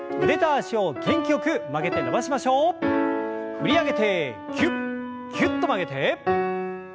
振り上げてぎゅっぎゅっと曲げて。